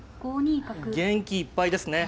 元気いっぱいですね。